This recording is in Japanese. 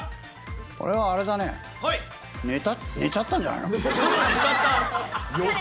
これはあれだね、寝ちゃった寝ちゃった？